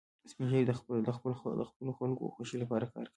سپین ږیری د خپلو خلکو د خوښۍ لپاره کار کوي